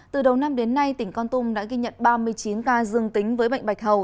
từ đầu năm đến nay tỉnh con tum đã ghi nhận ba mươi chín ca dương tính với bệnh bạch hầu